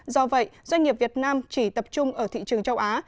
do vậy doanh nghiệp việt nam chỉ tập trung ở thị trường châu á